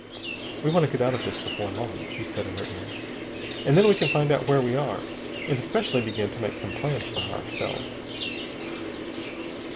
"We want to get out of this before long," he said in her ear, "and then we can find out where we are, and especially begin to make some plans for ourselves."